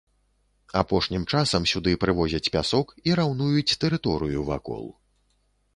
Апошнім часам сюды прывозяць пясок і раўнуюць тэрыторыю вакол.